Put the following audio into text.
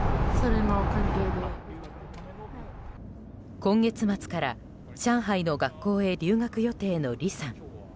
今月末から上海の学校へ留学予定の李さん。